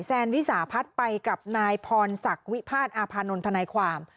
แซนวิสาพัฒน์ไปกับนายพรศักดิ์วิพาทอาพานนท์ทนายความ